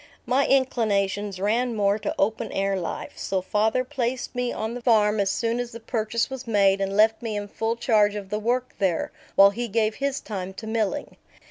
My inclinations ran more to open air life, so father placed me on the farm as soon as the purchase was made and left me in full charge of the work there, while he gave his time to milling.